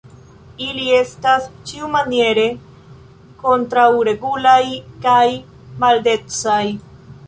Ili estas, ĉiumaniere, kontraŭregulaj kaj maldecaj.